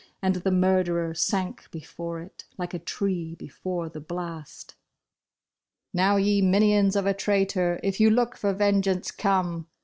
And the murderer sank before it like a tree before the blast. " Now ye minions of a traitor if you look for ven geance, come